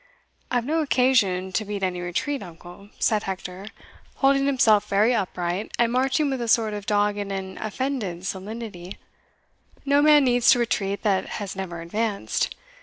"I have no occasion to beat any retreat, uncle," said Hector, holding himself very upright, and marching with a sort of dogged and offended solemnity; "no man needs to retreat that has never advanced.